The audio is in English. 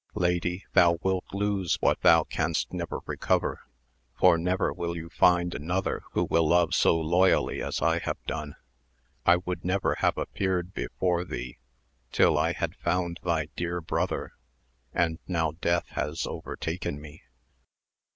Lady thou wilt lose what thou canst never recover, for never will you find another who will love so loyally as I have done. I would never have appeared before thee till I had found thy dear brother, and now death has overtaken me.